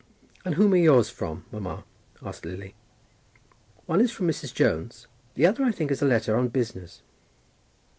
"And whom are yours from, mamma?" asked Lily. "One is from Mrs. Jones; the other, I think, is a letter on business."